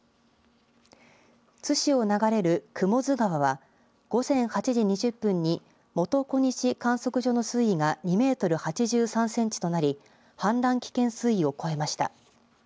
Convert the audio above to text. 津市を流れる雲出川は、午前８時２０分に元小西観測所の水位が２メートル８３センチとなり、氾濫危険水位を超えました。